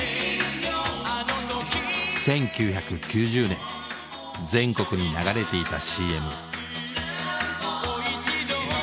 １９９０年全国に流れていたＣＭ。